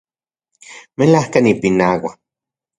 Melajka nipinaua